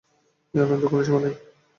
এই আনন্দের কোনো সীমা নাই!